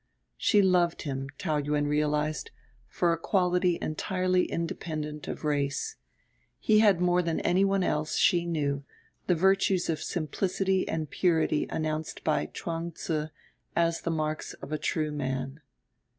She loved him, Taou Yuen realized, for a quality entirely independent of race: he had more than anyone else she knew the virtues of simplicity and purity announced by Chwang Tze as the marks of the True Man.